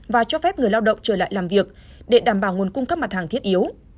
và cho phép người lao động trở lại làm việc để đảm bảo nguồn cung cấp mặt hàng thiết yếu